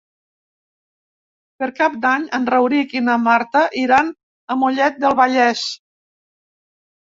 Per Cap d'Any en Rauric i na Marta iran a Mollet del Vallès.